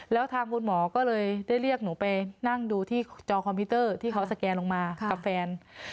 แล้วทางคุณหมอก็เลยได้เรียกหนูไปนั่งดูที่จอคอมพิวเตอร์ที่เขาสแกนลงมากับแฟน